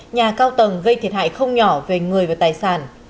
nhà cao tầng gây thiệt hại không nhỏ về người và tài sản